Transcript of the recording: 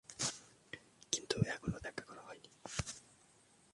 কিন্তু এখনো দেখা করা হয়নি।